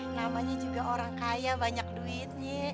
namanya juga orang kaya banyak duitnya